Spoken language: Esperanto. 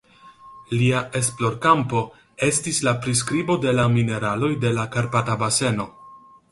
Lia esplorkampo estis la priskribo de la mineraloj de la Karpata baseno.